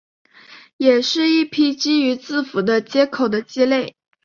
也是一批基于字符的接口的基类。